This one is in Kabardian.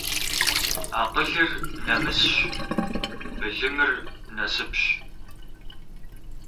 Акъылыр нэмысщ, былымыр насыпщ.